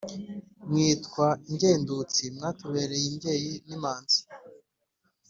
Mwitwa ingendutsi Mwatubereye imbyeyi n’imazi,